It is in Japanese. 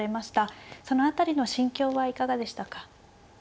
その辺りの心境はいかがでしたか。